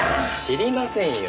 知りませんよ。